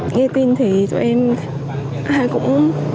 nghe tin thì tụi em cũng